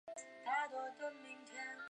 也会打鼓和演奏贝斯。